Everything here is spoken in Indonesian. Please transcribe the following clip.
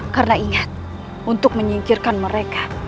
karena ingat untuk menyingkirkan mereka